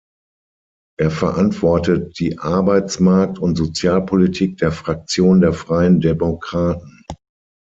Er verantwortet die Arbeitsmarkt- und Sozialpolitik der Fraktion der Freien Demokraten.